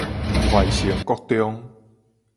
懷生國中